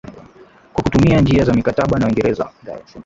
Kwa kutumia njia za mikataba na Uingereza